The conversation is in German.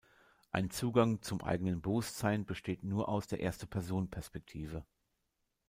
Ein Zugang zum eigenen Bewusstsein besteht nur aus der Erste-Person-Perspektive.